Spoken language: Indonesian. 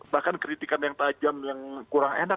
bahkan kritikan yang tajam yang kurang enak